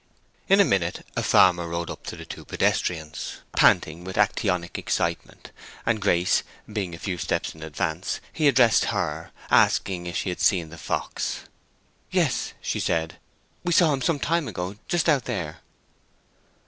In a minute a farmer rode up to the two pedestrians, panting with acteonic excitement, and Grace being a few steps in advance, he addressed her, asking if she had seen the fox. "Yes," said she. "We saw him some time ago—just out there."